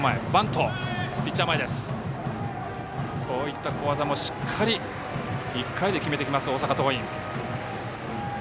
こういった小技もしっかり１回で決めてきます、大阪桐蔭。